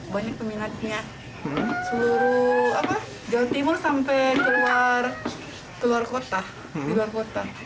banyak peminatnya seluruh jawa timur sampai keluar kota